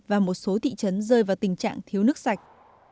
và một số thị trấn rơi vào tình trạng thiếu nước sạch